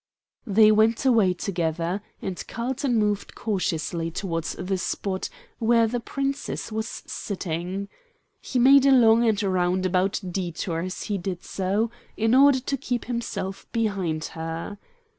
They went away together, and Carlton moved cautiously towards the spot where the Princess was sitting. He made a long and roundabout detour as he did so, in order to keep himself behind her.